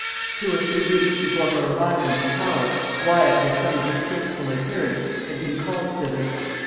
Two or three weeks before her arrival in the Tower, Wyat with some of his principal adherents had been carried thither.